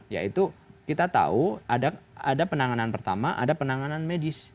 yaitu kita tahu ada penanganan pertama ada penanganan medis